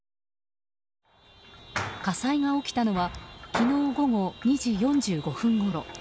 火災が起きたのは昨日午後２時４５分ごろ。